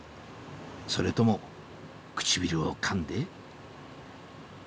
それとも唇を噛んで？